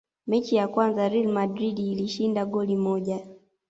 mechi ya kwanza real madrid ilishinda goli moja